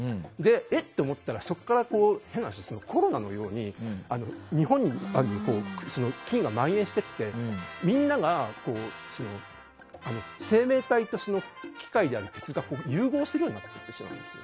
え？と思ったらそこから変な話、コロナのように日本に菌が蔓延していってみんなが生命体としての機械の鉄と融合するようになっていってしまうんです。